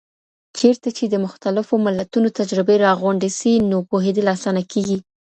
چیرته چي د مختلفو ملتونو تجربې راغونډې سي، نو پوهیدل آسانه کیږي؟